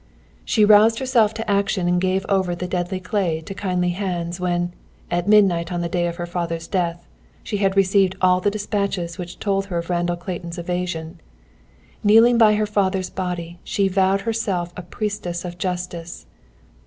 She roused herself to action and gave over the dead clay to kindly hands when, at midnight on the day of her father's death, she had received all the dispatches which told her of Randall Clayton's evasion. Kneeling by her father's body she vowed herself a priestess of Justice.